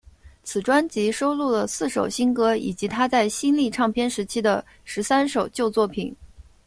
此专辑收录了四首新歌以及她在新力唱片时期的十三首旧作品。